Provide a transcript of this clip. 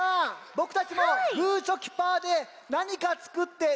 ボクたちもグーチョキパーでなにかつくっていいですか？